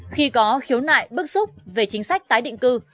khi có khiếu nại bức xúc về chính sách tái định cư